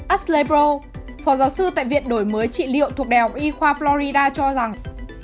ash lebro phó giáo sư tại viện đổi mới trị liệu thuộc đèo y khoa florida cho rằng